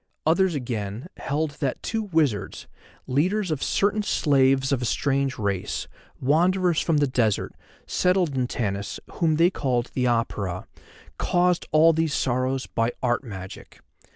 Others again, held that two wizards, leaders of certain slaves of a strange race, wanderers from the desert, settled in Tanis, whom they called the Apura, caused all these sorrows by art magic.